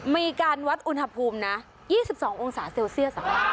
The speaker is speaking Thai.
มีการวัดอุณหภูมินะ๒๒องศาเซลเซียส